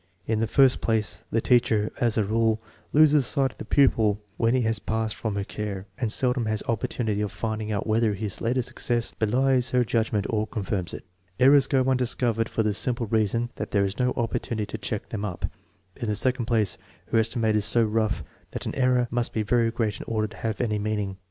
In the first place, the teacher as a rule loses sight of the pupil when he has passed from her care, and seldom has opportunity of finding out whether his later success belies her judgment or confirms it. Errors go undiscovered for the simple reason that there is no op portunity to check them up* In the second place, her esti mate is so rough that an error must be very great in order to have any meaning.